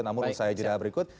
namun saya juga berikut